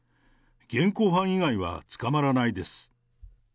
現行犯以外は捕まらないです。